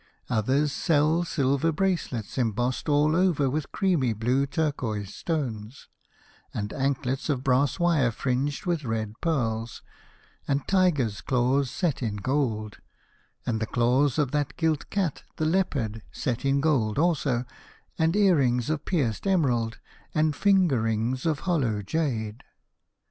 Others sell silver bracelets embossed all over with creamy blue turquoise stones, and anklets of brass wire fringed with little pearls, and tigers' claws set in gold, and the claws of that gilt cat, the leopard, set in gold also, and ear rings of pierced emerald, and finger rings of hollowed jade.